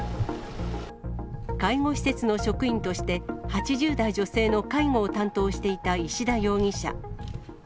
介護施設の職員として、８０代女性の介護を担当していた石田容疑者。